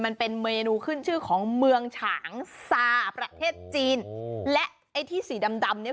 มันเป็นเมนูขึ้นชื่อของเมืองฉางซาประเทศจีนอืมและไอ้ที่สีดำดำเนี้ย